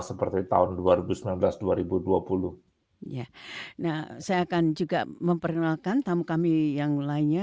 seperti tahun dua ribu sembilan belas dua ribu dua puluh ya nah saya akan juga memperkenalkan tamu kami yang lainnya